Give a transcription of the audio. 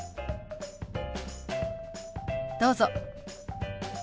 どうぞ。